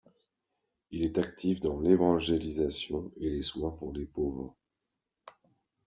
Il est actif dans l'évangélisation et les soins pour les pauvres.